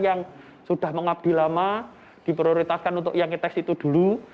yang sudah mengabdi lama diprioritaskan untuk yang inteks itu dulu